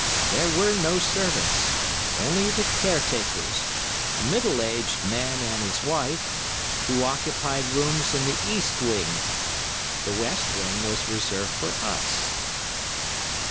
There were no servants, only the caretakers, a middle aged man and his wife, who occupied rooms in the east wing. The west wing was reserved for us.